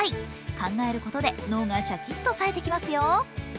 考えることで、脳がしゃきっと覚めてきますよ。